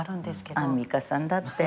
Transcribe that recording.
アンミカさんだって。